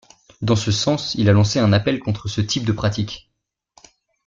Dans ce sens, il a lancé un appel contre ce type de pratique.